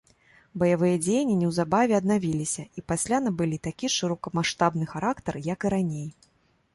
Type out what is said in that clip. Баявыя дзеянні неўзабаве аднавіліся, і пасля набылі такі ж шырокамаштабны характар, як і раней.